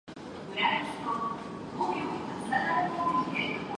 Conway also wrote songs with Bray.